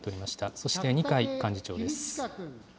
そして二階幹事長です。